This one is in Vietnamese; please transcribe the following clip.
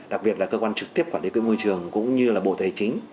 đặc biệt là cơ quan trực tiếp quản lý môi trường cũng như là bộ thầy chính